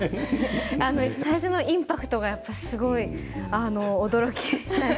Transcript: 最初のインパクトがやっぱりすごい驚きでしたね。